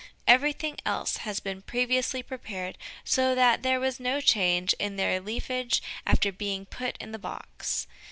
Everything else had been previously prepared so that there was no change in their leafage after being put in the box.